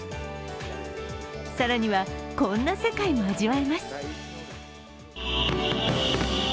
更には、こんな世界も味わえます。